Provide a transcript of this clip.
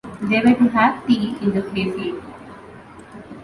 They were to have tea in the hayfield.